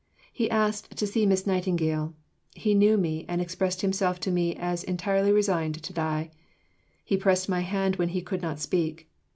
He asked "to see Miss Nightingale." He knew me, and expressed himself to me as entirely resigned to die. He pressed my hand when he could not speak.